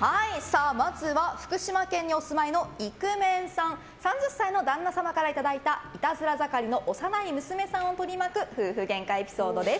まずは福島県にお住まいのイクメンさん、３０歳の旦那様からいただいたいたずら盛りの幼い娘さんを取り巻く夫婦げんかエピソードです。